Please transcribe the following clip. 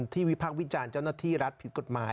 วิพากษ์วิจารณ์เจ้าหน้าที่รัฐผิดกฎหมาย